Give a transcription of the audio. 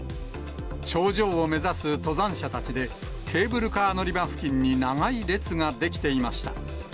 頂上を目指す登山者たちで、ケーブルカー乗り場付近に長い列が出来ていました。